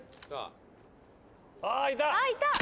あっいた！